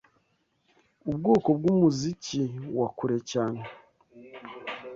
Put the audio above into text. Ubwoko bwumuziki wa kure cyane